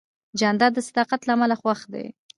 جانداد د صداقت له امله خوښ دی.